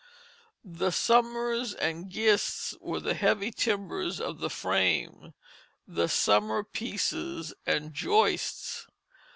The "sumers and gist" were the heavy timbers of the frame, the summer pieces and joists.